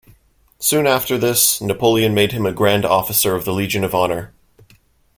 Soon after this Napoleon made him a grand officer of the Legion of Honor.